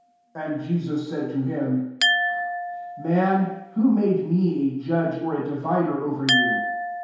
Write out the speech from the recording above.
14 And Jesus said to him, " Man, who made me a judge or a divider over you